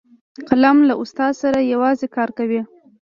قلم له استاد سره یو ځای کار کوي